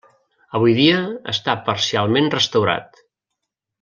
Avui dia està parcialment restaurat.